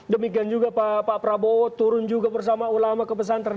demikian juga pak prabowo turun juga bersama ulama ke pesantren